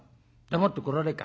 黙って来られるか？」。